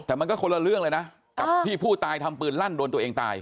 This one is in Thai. แต่มันก็คนละเรื่องเลยนะกับที่ผู้ตายทำปืนลั่นโดนตัวเองตาย